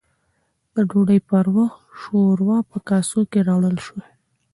د ډوډۍ پر وخت، شورا په کاسو کې راوړل شوه